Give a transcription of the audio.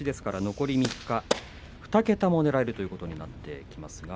残り３日、２桁もねらえることになってきます。